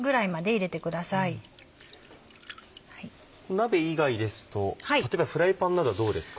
鍋以外ですと例えばフライパンなどどうですか？